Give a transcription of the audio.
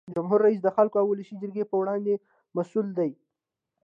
جمهور رئیس د خلکو او ولسي جرګې په وړاندې مسؤل دی.